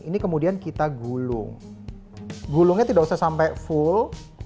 ini kemudian kita gulung gulungnya tidak usah sampai full